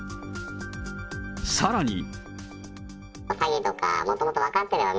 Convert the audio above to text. さらに。